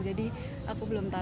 jadi aku belum tahu sih